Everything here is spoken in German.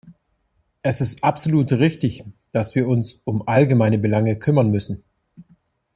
Es ist absolut richtig, dass wir uns um allgemeine Belange kümmern müssen.